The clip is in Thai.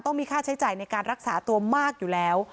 มีค่าใช้จ่ายในการรักษาตัวมากอยู่แล้ว